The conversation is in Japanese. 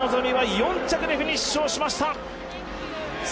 田中希実は４着でフィニッシュをしました。